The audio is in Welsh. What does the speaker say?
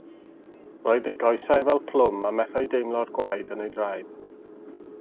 Roedd ei goesau fel plwm a methai deimlo'r gwaed yn ei draed.